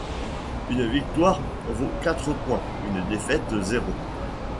Une victoire vaut quatre points, une défaite zéro.